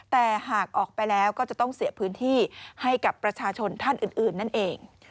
แต่หากออกไปแล้วก็จะต้องเสียพื้นที่ให้กับประชาชนท่านอื่นนั่นเอง